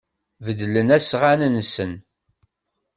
Beddlen asɣan-nsen.